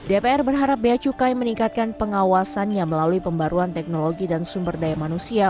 dpr berharap biaya cukai meningkatkan pengawasannya melalui pembaruan teknologi dan sumber daya manusia